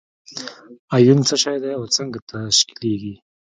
ایون څه شی دی او څنګه تشکیلیږي؟